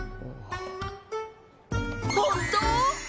本当！？